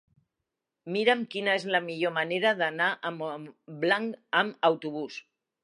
Mira'm quina és la millor manera d'anar a Montblanc amb autobús.